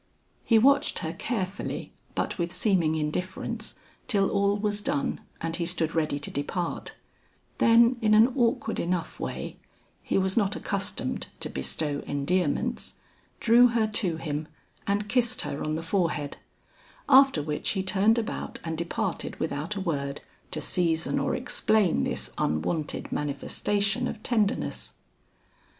He watched her carefully but with seeming indifference till all was done and he stood ready to depart, then in an awkward enough way he was not accustomed to bestow endearments drew her to him and kissed her on the forehead; after which he turned about and departed without a word to season or explain this unwonted manifestation of tenderness.